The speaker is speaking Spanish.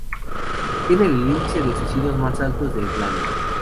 Tienen el índice de suicidios más alto de Irlanda.